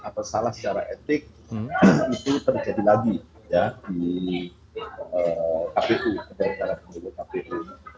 atau salah secara etik itu terjadi lagi ya di kpu penyelenggara pemilu kpu